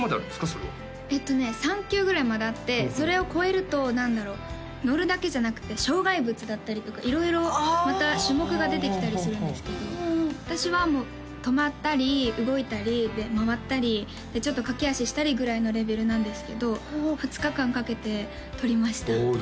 それはえっとね３級ぐらいまであってそれを超えると何だろう乗るだけじゃなくて障害物だったりとか色々また種目が出てきたりするんですけど私はもう止まったり動いたり回ったりちょっと駈歩したりぐらいのレベルなんですけど２日間かけて取りましたああ